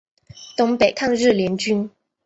东北抗日联军。